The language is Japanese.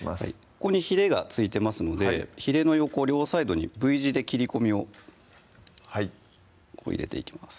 ここにひれが付いてますのでひれの横両サイドにＶ字で切り込みをこう入れていきます